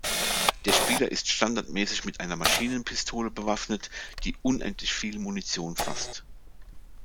Der Spieler ist standardmäßig mit einer Maschinenpistole bewaffnet, die unendlich viel Munition fasst.